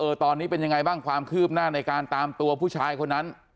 ตอนนี้เป็นยังไงบ้างความคืบหน้าในการตามตัวผู้ชายคนนั้น